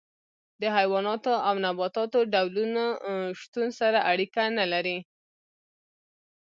د حیواناتو او نباتاتو ډولونو شتون سره اړیکه نه لري.